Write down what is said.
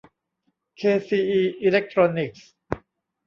เคซีอี อีเลคโทรนิคส์